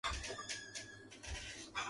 اسرائیل نے Al Jazeera media کی عمارتوں کو تباہ